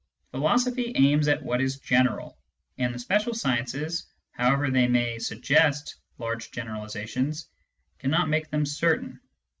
Philosophy aims at what is general^ and the special sciences, however they may suggest large generalisations, cannot make them certain.